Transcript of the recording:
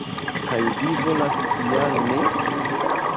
Kaj vi volas, kial ne?